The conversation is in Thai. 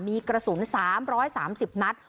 มีกระสุน๓๓๐นัด